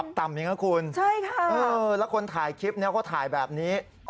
แล้วคนถ่ายคลิปก็ถ่ายแบบนี้